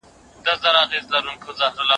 هغه وويل چي کالي وچول مهم دي؟!